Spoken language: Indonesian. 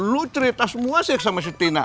lu cerita semua sih sama setina